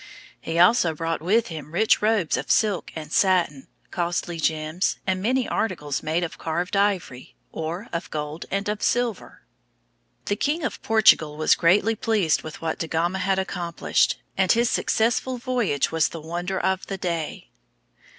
He also brought with him rich robes of silk and satin, costly gems, and many articles made of carved ivory, or of gold and of silver. The King of Portugal was greatly pleased with what Da Gama had accomplished, and his successful voyage was the wonder of the day.